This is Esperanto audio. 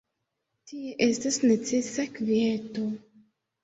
Tie estas necesa kvieto.